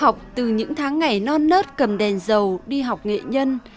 học từ những tháng ngày non nớt cầm đèn dầu đi học nghệ nhân